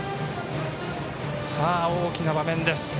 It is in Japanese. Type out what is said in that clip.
さあ、大きな場面です。